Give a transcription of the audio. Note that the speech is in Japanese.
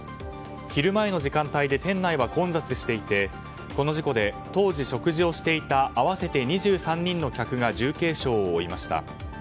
昼前の時間帯で店内は混雑していてこの事故で、当時食事をしていた合わせて２３人の客が重軽傷を負いました。